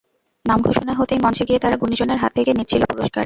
নাম ঘোষণা হতেই মঞ্চে গিয়ে তারা গুণীজনের হাত থেকে নিচ্ছিল পুরস্কার।